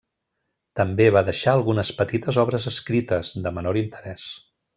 També va deixar algunes petites obres escrites, de menor interès.